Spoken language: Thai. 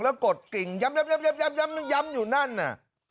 แล้วกดกิ่งย้ำอยู่นั่นน่ะ